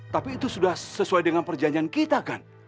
tapi itu sudah sesuai dengan perjanjian kita kan